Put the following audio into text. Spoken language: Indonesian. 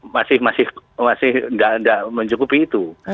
masih masih masih nggak nggak mencukupi itu